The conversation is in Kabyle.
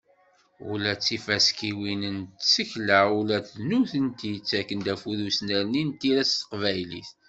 Ula d tifaskiwin n tsekla, ula d nutenti, ttakken afud i usnerni n tira s teqbaylit.